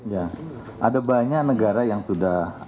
ya ada banyak negara yang sudah